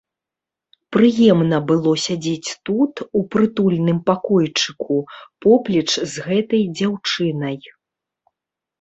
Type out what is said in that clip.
Прыемна было сядзець тут, у прытульным пакойчыку, поплеч з гэтай дзяўчынай.